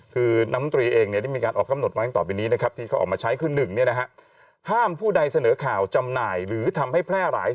คือน้ำตรีเองได้มีการออกกำหนดไว้ต่อไปนี้นะครับที่เขาออกมาใช้คือ๑ห้ามผู้ใดเสนอข่าวจำหน่ายหรือทำให้แพร่หลาย